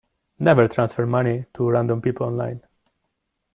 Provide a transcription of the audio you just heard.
Never transfer money to random people online.